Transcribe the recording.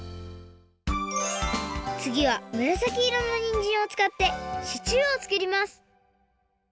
つぎはむらさきいろのにんじんをつかってシチューをつくります！